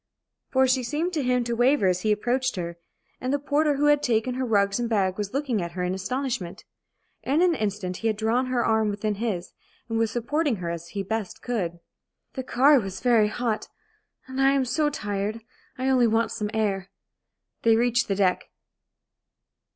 For she seemed to him to waver as he approached her, and the porter who had taken her rugs and bag was looking at her in astonishment. In an instant he had drawn her arm within his, and was supporting her as he best could, "The car was very hot, and I am so tired. I only want some air." They reached the deck.